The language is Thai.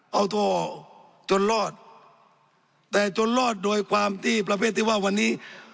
เอาโทษจนรอดแต่จนรอดโดยความที่ประเภทที่ว่าวันนี้